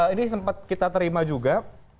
ini sempat kita terima juga